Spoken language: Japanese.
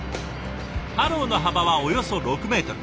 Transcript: ハローの幅はおよそ６メートル。